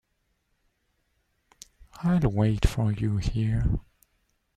I’ll wait for you here.